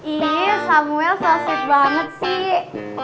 iya samuel so sweet banget sih